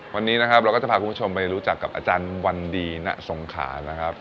วันนี้นะครับเราก็จะพาคุณผู้ชมไปรู้จักกับอาจารย์วันดีณสงขานะครับ